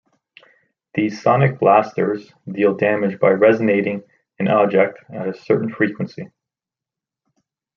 These sonic blasters deal damage by resonating an object at a certain frequency.